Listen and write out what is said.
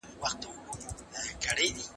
خپل موبایل ته پام وکړئ چې څوک یې ونه کاروي.